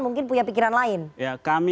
mungkin punya pikiran lain ya kami